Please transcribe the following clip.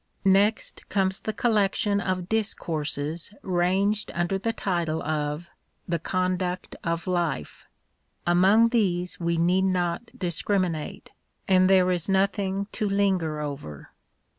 Next comes the collection of discourses ranged under the title of " The Conduct of Life." Among these we need not discriminate, and there is nothing to linger over.